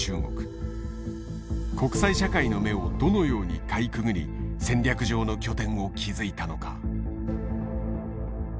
国際社会の目をどのようにかいくぐり戦略上の拠点を築いたのか？